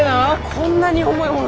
こんなに重いもの